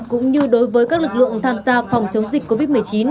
cũng như đối với các lực lượng tham gia phòng chống dịch covid một mươi chín